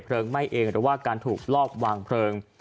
ไหม้เองหรือว่าการถูกลอบวางเพลิง